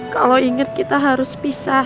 kalau inget kita harus pisah